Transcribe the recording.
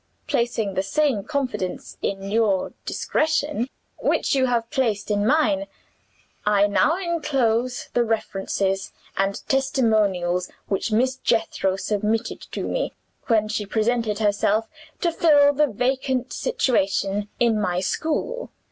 "Placing the same confidence in your discretion, which you have placed in mine, I now inclose the references and testimonials which Miss Jethro submitted to me, when she presented herself to fill the vacant situation in my school.